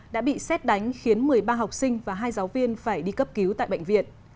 đã bị xét đánh khiến một mươi ba học sinh và hai giáo viên phải đi cấp cứu tại bệnh viện